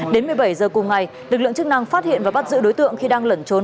đến một mươi bảy h cùng ngày lực lượng chức năng phát hiện và bắt giữ đối tượng khi đang lẩn trốn